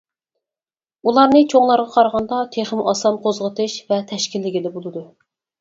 ئۇلارنى چوڭلارغا قارىغاندا تېخىمۇ ئاسان قوزغىتىش ۋە تەشكىللىگىلى بولىدۇ.